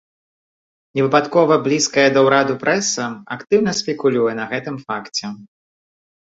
Не выпадкова блізкая да ўраду прэса актыўна спекулюе на гэтым факце.